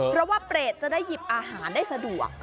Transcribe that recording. เพราะว่าเปรตจะได้หยิบอาหารได้สะดวก